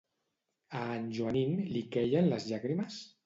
A en Joanín li queien les llàgrimes?